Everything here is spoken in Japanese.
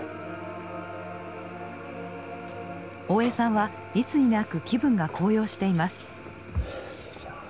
大江さんはいつになく気分が高揚しています。